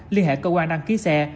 liên hệ cơ quan đăng ký xe